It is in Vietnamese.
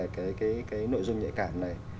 cái nội dung nhạy cảm này